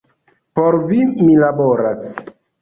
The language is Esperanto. Por vi, mi laboras.